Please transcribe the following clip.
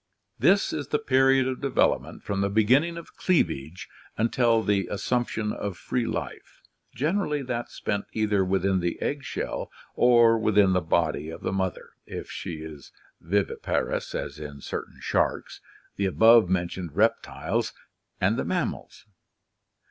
— This is the period of development from the beginning of cleavage until the assumption of free life, generally that spent either within the egg shell or within the body of the mother if she is viviparous as in certain sharks, the above men tioned reptiles, and the mammals.